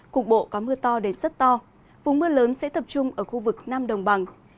cục bộ có mưa to đến rất to vùng mưa lớn sẽ tập trung ở khu vực nam đồng bằng